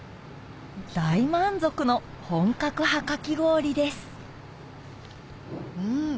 大満足の本格派かき氷ですうん。